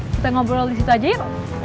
kita ngobrol disitu aja ir